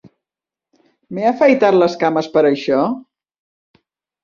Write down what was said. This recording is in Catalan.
M'he afaitat les cames per a això?